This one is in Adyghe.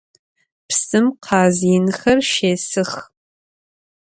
Psım khaz yinxer şêsıx.